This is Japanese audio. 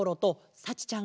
さちちゃん。